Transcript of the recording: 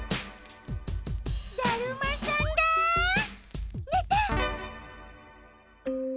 だるまさんがねた！